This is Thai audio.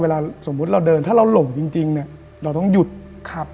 เวลาสมมุติเราเดินถ้าเราหลงจริงจริงเนี้ยเราต้องหยุดครับ